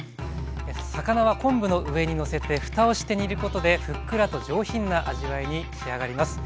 魚は昆布の上にのせてふたをして煮ることでふっくらと上品な味わいに仕上がります。